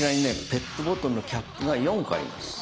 ペットボトルのキャップが４個あります。